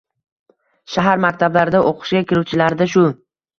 Shahar maktablarida o‘qishga kiruvchilarda shu.